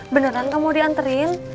beneran kamu mau dianterin